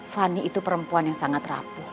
fani itu perempuan yang sangat rapuh